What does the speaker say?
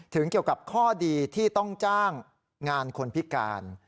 เกี่ยวกับข้อดีที่ต้องจ้างงานคนพิการ